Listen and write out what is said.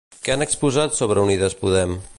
Què han exposat sobre Unides Podem?